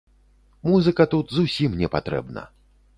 Музыка тут зусім не патрэбна.